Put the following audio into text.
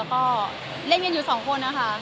ก็มีกันอยู่แค่๒คน